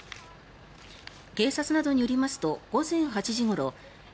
警察などによりますと午前８時ごろ